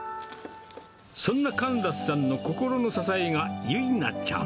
そんなカンラスさんの支えが由奈ちゃん。